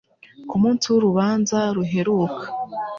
Ku munsi w'urubanza ruheruka,